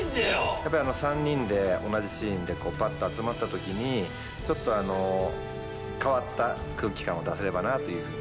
やっぱり３人で同じシーンでパッと集まった時にちょっと変わった空気感を出せればなというふうに。